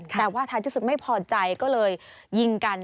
แต่ว่าท้ายที่สุดไม่พอใจก็เลยยิงกัน